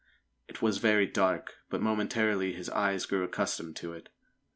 It was very dark, but momentarily his eyes grew accustomed to it.